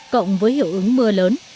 cộng với hiệu ứng mưa lớn